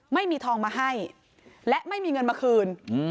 ไม่มีทองมาให้และไม่มีเงินมาคืน